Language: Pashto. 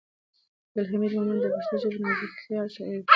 عبدالحمید مومند د پښتو ژبې نازکخیاله شاعر دی.